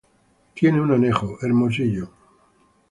Tiene un anejo: Hermosillo.